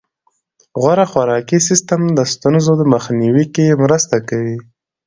غوره خوراکي سیستم د ستونزو مخنیوي کې مرسته کوي.